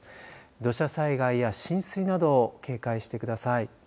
土砂災害や浸水など警戒してください。